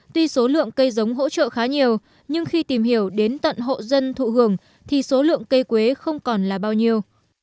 tuy số lượng cây giống hỗ trợ khá nhiều nhưng khi tìm hiểu đến tận hộ dân thụ hưởng thì số lượng cây quế không còn là bao nhiêu